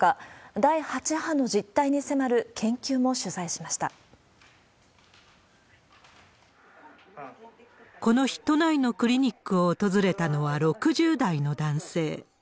第８波の実態に迫る研究も取材しこの日、都内のクリニックを訪れたのは、６０代の男性。